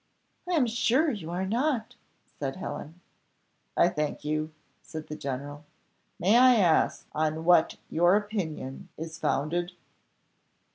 "I am sure you are not," said Helen. "I thank you," said the general. "May I ask on what your opinion is founded?"